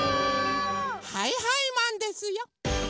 はいはいマンですよ！